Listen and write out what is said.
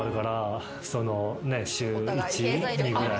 週１？２ぐらいで。